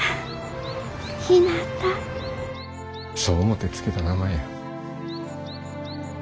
そう思て付けた名前や。